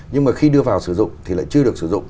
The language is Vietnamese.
nhưng mà khi đưa vào sử dụng thì lại chưa được sử dụng